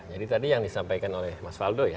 jadi tadi yang disampaikan oleh mas valdo ya